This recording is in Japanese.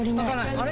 あれ？